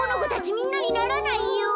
みんなにならないよ。